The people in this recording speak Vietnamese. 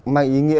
mang ý nghĩa